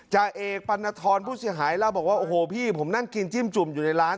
จ่าเอกปัณฑรผู้เสียหายเล่าบอกว่าโอ้โหพี่ผมนั่งกินจิ้มจุ่มอยู่ในร้าน